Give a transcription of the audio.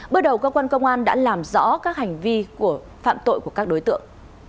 bước đầu cơ quan công an đã làm rõ các hành vi phạm tội của các đối tượng